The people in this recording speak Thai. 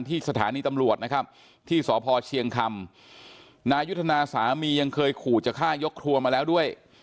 ที่สถานีตำรวจนะครับที่สพเชียงคำนายุทธนาสามียังเคยขู่จะฆ่ายกครัวมาแล้วด้วย